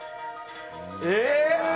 え！？